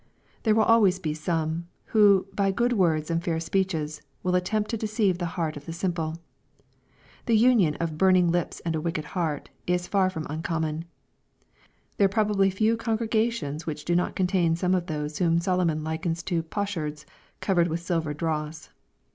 There will always be some, who " by good words and fair speeches," will attempt to deceive the heart of the simple. The union of " burning lips and a wicked heart," is far from uncommon. There are probably few congregations which do not contain some of those whom Solomon likens to " potsherds, covered with silver dross."